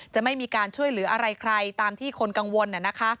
จะไม่มีการช่วยเหลืออะไรใครตามที่คนกังวล